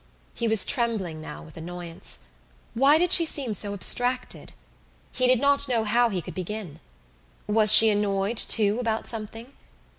He was trembling now with annoyance. Why did she seem so abstracted? He did not know how he could begin. Was she annoyed, too, about something?